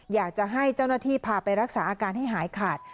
อยากจะให้เจ้าหน้าที่พาไปรักษาอาการให้หายขาด